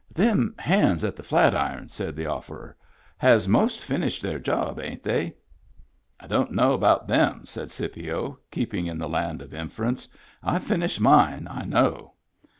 " Them hands at the Flat Iron," said the offerer, " has most finished their job, ain't they ?"" I don't know about them," said Scipio, keep ing in the land of inference. " I've finished mine, I know."